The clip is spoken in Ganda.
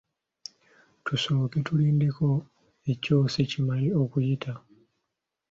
Tusooke tulindeko ekyosi kimale okuyita.